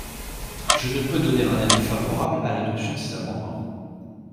Je ne peux donner un avis favorable à l’adoption de ces amendements.